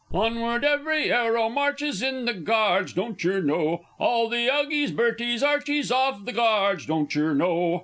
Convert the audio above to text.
_ Onward every 'ero marches, In the Guards! Doncher know? All the "'Ughies," "Berties," "Archies," Of the Guards! Doncher know?